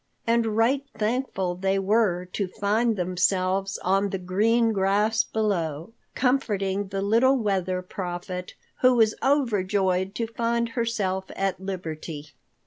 And right thankful they were to find themselves on the green grass below, comforting the little Weather Prophet, who was overjoyed to find herself at liberty.